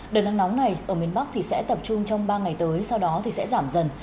đợt nắng nóng này ở miền bắc sẽ tập trung trong ba ngày tới sau đó thì sẽ giảm dần